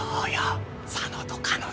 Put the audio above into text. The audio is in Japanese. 佐野と彼女。